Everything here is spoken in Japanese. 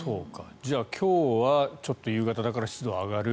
じゃあ、今日はちょっと夕方だから湿度上がる。